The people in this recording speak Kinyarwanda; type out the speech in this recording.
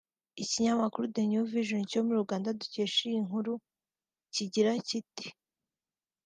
Ikinyamakuru The new vision cyo muri Uganda dukesha iyi nkuru kigira kiti